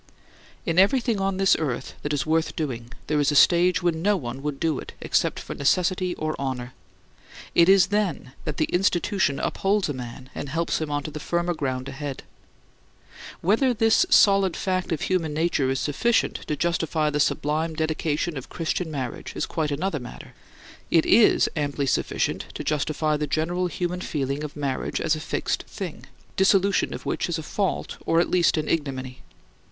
In everything on this earth that is worth doing, there is a stage when no one would do it, except for necessity or honor. It is then that the Institution upholds a man and helps him on to the firmer ground ahead. Whether this solid fact of human nature is sufficient to justify the sublime dedication of Christian marriage is quite an other matter, it is amply sufficient to justify the general human feeling of marriage as a fixed thing, dissolution of which is a fault or, at least, an ignominy.